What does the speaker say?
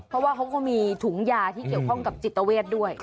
เพราะว่าเขาก็มีถุงยาที่เกี่ยวข้องกับจิตเวทด้วย